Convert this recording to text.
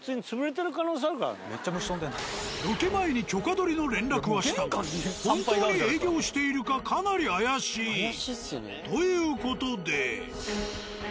ロケ前に許可取りの連絡はしたが本当に営業しているかかなり怪しい。という事で。